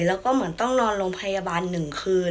แล้วก็เหมือนต้องนอนโรงพยาบาล๑คืน